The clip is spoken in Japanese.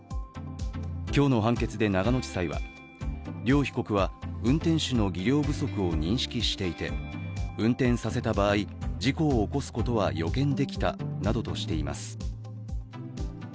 今日の判決で長野地裁は両被告は運転手の技量不足を認識していて、運転させた場合、事故を起こすことは予見できたなどとしています。